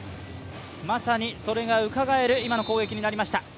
まさにそれがうかがえる今の攻撃になりました。